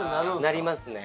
なりますね。